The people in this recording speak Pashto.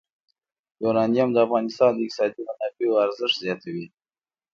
یورانیم د افغانستان د اقتصادي منابعو ارزښت زیاتوي.